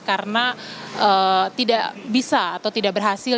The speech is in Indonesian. karena tidak bisa atau tidak berhasil